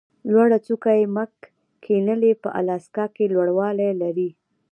لوړه څوکه یې مک کینلي په الاسکا کې لوړوالی لري.